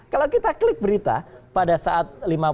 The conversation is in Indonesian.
kalau kita klik berita pada saat lima puluh